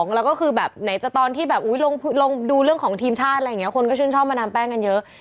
แล้วก็คือแบบไหนจากตอนที่ดูเรื่องของทีมชาติคนก็ชื่นชอบมาดามแป้งกันเยอะ